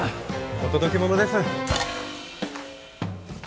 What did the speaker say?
お届け物です。